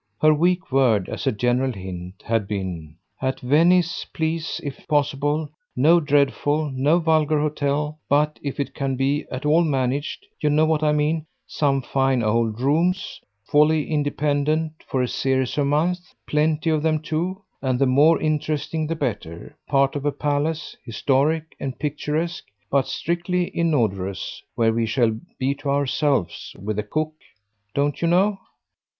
Her weak word, as a general hint, had been: "At Venice, please, if possible, no dreadful, no vulgar hotel; but, if it can be at all managed you know what I mean some fine old rooms, wholly independent, for a series of months. Plenty of them too, and the more interesting the better: part of a palace, historic and picturesque, but strictly inodorous, where we shall be to ourselves, with a cook, don't you know?